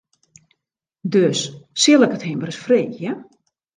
Dus sil ik it him ris freegje.